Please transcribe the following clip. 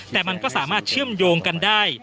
แต่มันก็สามารถเชื่อมโยงกันได้